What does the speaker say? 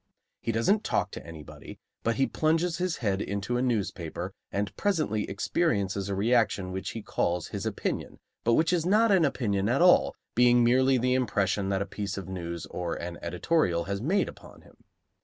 He doesn't talk to anybody, but he plunges his head into a newspaper and presently experiences a reaction which he calls his opinion, but which is not an opinion at all, being merely the impression that a piece of news or an editorial has made upon him.